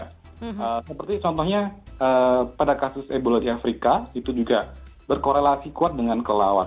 seperti contohnya pada kasus ebulo di afrika itu juga berkorelasi kuat dengan kelelawar